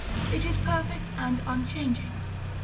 It is perfect and unchanging.